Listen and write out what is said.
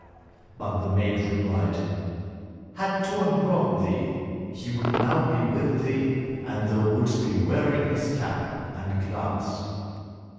But the maid replied: 'Had Tuoni brought thee, he would now be with thee, and thou wouldst be wearing his cap and gloves.'